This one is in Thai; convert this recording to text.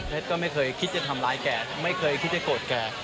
ก็ไม่เคยคิดจะทำร้ายแกไม่เคยคิดจะโกรธแก